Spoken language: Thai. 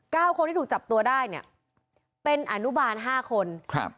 คนที่ถูกจับตัวได้เนี่ยเป็นอนุบาลห้าคนครับ